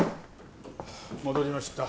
戻りました。